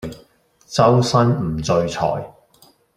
周身唔聚財